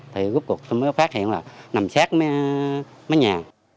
thì rút cuộc tôi mới phát hiện là nằm sát mấy nhà